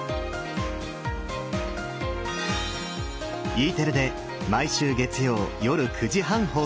Ｅテレで毎週月曜夜９時半放送です。